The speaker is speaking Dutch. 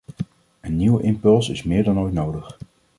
Een nieuwe impuls is meer dan ooit nodig.